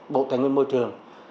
bộ tài nguyên môi trường